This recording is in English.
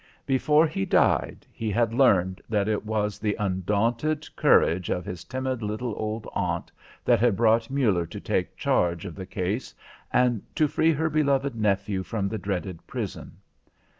Before he died he had learned that it was the undaunted courage of his timid little old aunt that had brought Muller to take charge of the case and to free her beloved nephew from the dreaded prison.